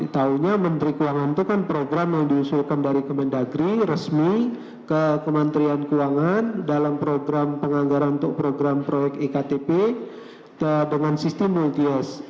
tahunya menteri keuangan itu kan program yang diusulkan dari kemendagri resmi ke kementerian keuangan dalam program penganggaran untuk program proyek iktp dengan sistem multius